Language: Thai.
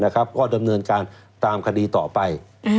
ก็ดำเนินการตามคดีต่อไป